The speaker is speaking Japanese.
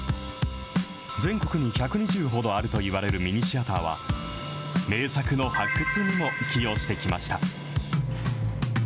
全国に１２０ほどあるといわれるミニシアターは、名作の発掘にも寄与してきました。